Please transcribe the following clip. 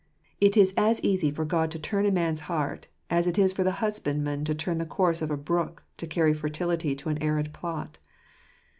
It is as easy for God to turn a man's heart, as it is for the husbandman to turn the course of a brook to carry fertility to an arid plot.